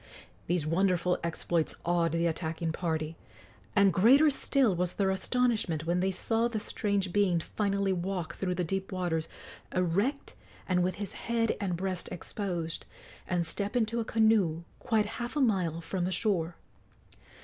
These wonderful exploits awed the attacking party, and greater still was their astonishment when they saw the strange being finally walk through the deep waters, erect and with his head and breast exposed, and step into a canoe quite half a mile from the shore.